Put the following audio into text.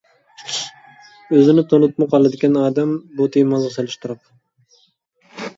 ئۆزىنى تونۇپمۇ قالىدىكەن ئادەم بۇ تېمىڭىزغا سېلىشتۇرۇپ.